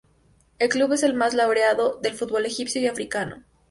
El club es el más laureado del fútbol egipcio y africano.